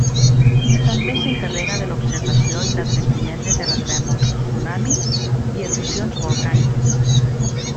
També s'encarrega de l'observació i l'advertiment de terratrèmols, tsunamis i erupcions volcàniques.